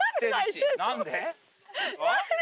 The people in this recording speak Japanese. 何で？